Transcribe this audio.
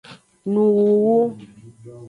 Nuwuwu.